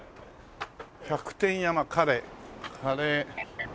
「百点山カレー」カレー。